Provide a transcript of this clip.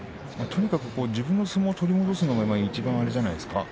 とにかく自分の相撲を取り戻すのがいちばんじゃないですか。